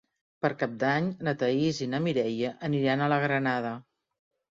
Per Cap d'Any na Thaís i na Mireia aniran a la Granada.